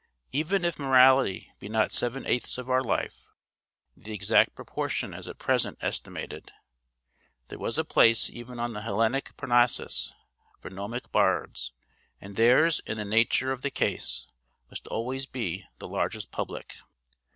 Even if morality be not seven eighths of our life (the exact proportion as at present estimated), there was a place even on the Hellenic Parnassus for gnomic bards, and theirs in the nature of the case must always be the largest public.